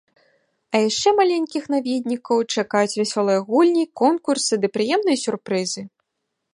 А яшчэ маленькіх наведнікаў чакаюць вясёлыя гульні, конкурсы ды прыемныя сюрпрызы!